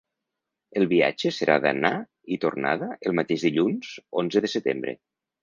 El viatge serà d’anar i tornada el mateix dilluns onze de setembre.